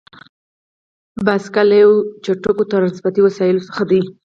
بایسکل یو له چټکو ترانسپورتي وسیلو څخه دی.